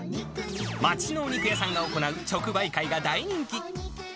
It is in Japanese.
町のお肉屋さんが行う直売会が大人気。